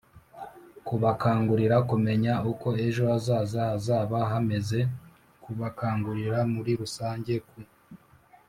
kubakangurira kumenya uko ejo hazaza hazaba hameze, kubakangurira muri rusange ku